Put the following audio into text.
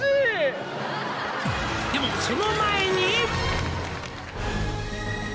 「でもその前に」